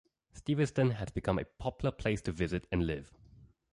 Steveston has become a popular place to visit and live.